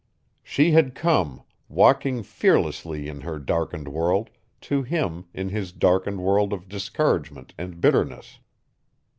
She had come, walking fearlessly in her darkened world, to him in his darkened world of discouragement and bitterness.